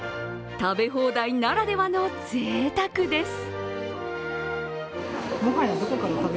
食べ放題ならではのぜいたくです。